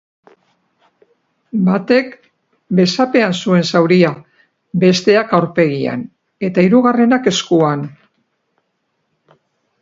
Batek besapean zuen zauria, besteak aurpegian eta hirugarrenak eskuan.